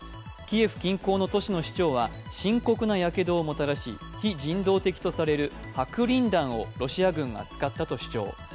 キエフ近郊の都市の市長は深刻なやけどをもたらし非人道的とされる白リン弾をロシア軍が使ったと主張。